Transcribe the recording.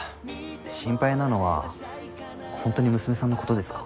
心配なのは本当に娘さんのことですか？